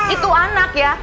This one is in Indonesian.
itu anak ya